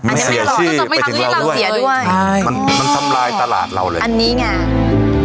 ไม่เสียชื่อไปถึงเราด้วยใช่มันมันตลาดเราเลยอันนี้ไง